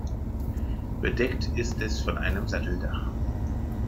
Bedeckt ist es von einem Satteldach.